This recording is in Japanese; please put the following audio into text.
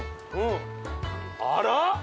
あら！？